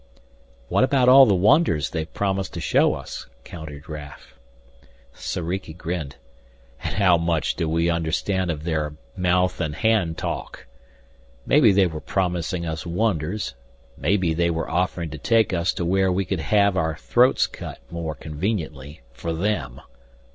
"What about all the wonders they've promised to show us?" countered Raf. Soriki grinned. "And how much do we understand of their mouth and hand talk? Maybe they were promising us wonders, maybe they were offering to take us to where we could have our throats cut more conveniently for them!